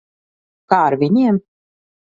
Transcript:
Kā ar viņiem?